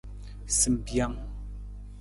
Simbijang.